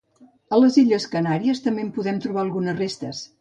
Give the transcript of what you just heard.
A les Illes Canàries també en podem trobar algunes restes.